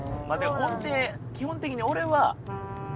ほんで基本的に俺は。